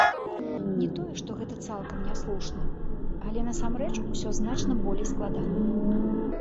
Не тое што гэта цалкам няслушна, але насамрэч усё значна болей складана.